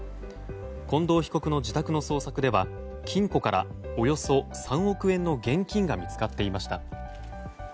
近藤被告の自宅の捜索では金庫から、およそ３億円の現金が見つかっていました。